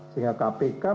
sehingga kpk meninggalkan